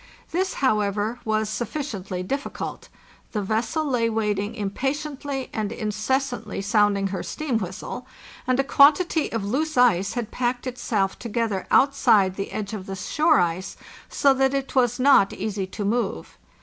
This, however, was sufficiently difh cult. The vessel lay waiting impatiently and incessant ly sounding her steam whistle; and a quantity of loose ice had packed itself together outside the edge of the shore ice, so that it was not easy to move.